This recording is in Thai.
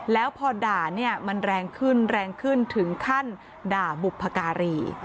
แล้วพอด่าเนี่ยมันแรงขึ้นแรงขึ้นถึงขั้นด่าบุพการี